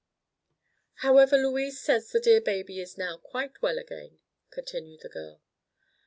"However, Louise says the dear baby is now quite well again," continued the girl.